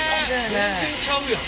全然ちゃうやん。